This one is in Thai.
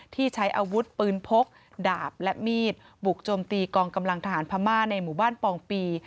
ที่ใช้อาวุธปืนพกดาบและมีดบุกโจมตีกองกำลังทหารพม่าในหมู่บ้านปองปี